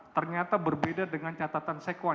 ternyata berbeda dengan catatan sekwan